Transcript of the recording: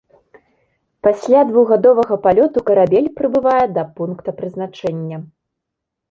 Пасля двухгадовага палёту карабель прыбывае да пункта прызначэння.